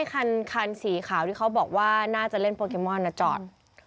คันสีขาวที่เขาบอกว่าน่าจะเล่นโปเกมอนจอด